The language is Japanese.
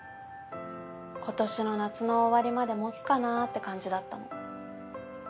今年の夏の終わりまでもつかなぁって感じだったの。